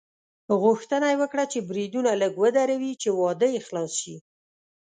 غوښتنه یې وکړه چې بریدونه لږ ودروي چې واده یې خلاص شي.